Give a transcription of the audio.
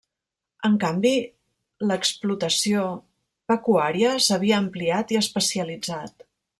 En canvi, l’explotació pecuària s’havia ampliat i especialitzat.